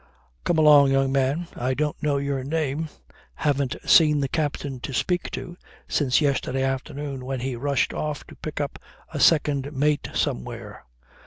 Come along, young man. I don't know your name. Haven't seen the captain, to speak to, since yesterday afternoon when he rushed off to pick up a second mate somewhere.